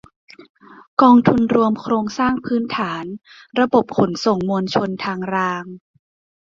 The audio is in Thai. กองทุนรวมโครงสร้างพื้นฐานระบบขนส่งมวลชนทางราง